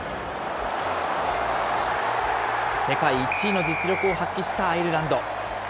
世界１位の実力を発揮したアイルランド。